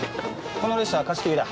この列車は貸切だ。